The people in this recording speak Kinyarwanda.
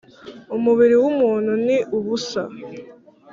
Umubiri w’umuntu ni ubusa,